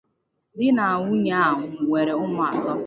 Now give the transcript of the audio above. Di na nwunye a nwere umu ato.